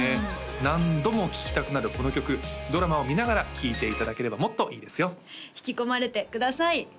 何度も聴きたくなるこの曲ドラマを見ながら聴いていただければもっといいですよ引き込まれてください